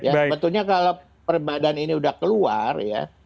sebetulnya kalau perbadan ini udah keluar